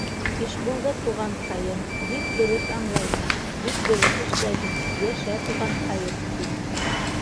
— Ишбулды туғанҡайым, бик дөрөҫ аңлайһың, бик дөрөҫ эшләйһең, йәшә, туғанҡайым! — тине.